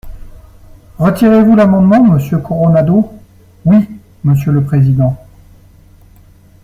Retirez-vous l’amendement, monsieur Coronado ? Oui, monsieur le président.